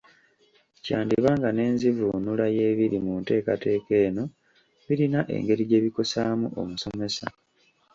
Kyandiba nga n’enzivuunula y’ebiri mu nteekateeka eno birina engeri gye bikosaamu omusomesa